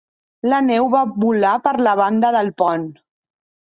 La neu va volar per la banda del pont.